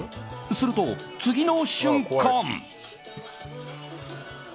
すると次の瞬間。